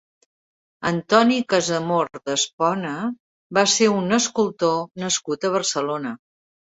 Antoni Casamor d'Espona va ser un escultor nascut a Barcelona.